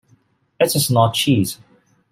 It is not cheese.